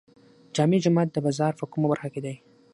جامع جومات د بازار په کومه برخه کې دی؟